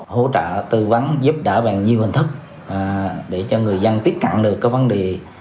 hỗ trợ tư vấn giúp đỡ bằng nhiều hình thức để cho người dân tiếp cận được các vấn đề